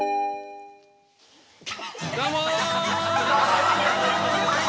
どうも。